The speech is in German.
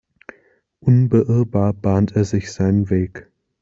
Unbeirrbar bahnt er sich seinen Weg.